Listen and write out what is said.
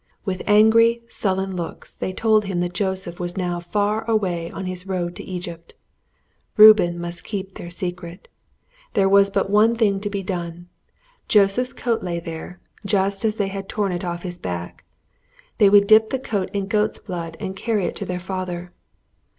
With angry, sullen looks they told him that Joseph was now far away on his road to Egypt. Reuben must keep their secret. There was but one thing to be done. Joseph's coat lay there, just as they had torn it off his back. They would dip the coat in goat's blood and carry it to their father.